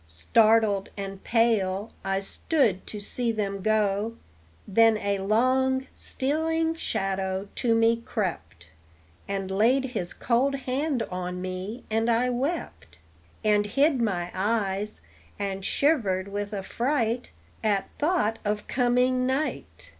Startled and pale, I stood to see them go; Then a long, stealing shadow to me crept, And laid his cold hand on me, and I wept And hid my eyes, and shivered with affright At thought of coming night.